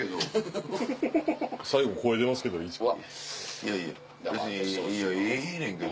いやいや別にええねんけど。